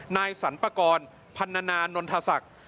นายสรรปกรณ์พันธนานนทศักดิ์